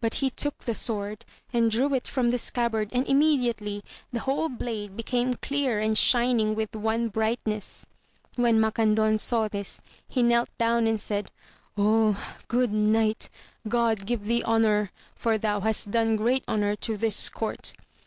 But he took the sword, and drew it from the scabbard, and immediately the whole blade became clear and shining with one brightness. When Macandon saw this, he knelt down and said, good knight, God give thee honour, for thou hast done great honour to this court !